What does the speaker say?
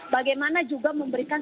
bagaimana juga memberikan